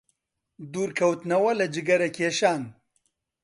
دوورکەوتنەوە لە جگەرەکێشان